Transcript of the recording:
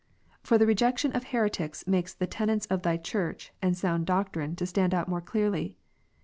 For the rejection of heretics makes the tenets of Thy Church and sound doctrine to stand out more clearly.